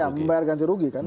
ya membayar ganti rugi kan